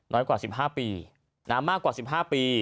น้อยกว่าสิบห้าปีน่ะมากกว่าสิบห้าปี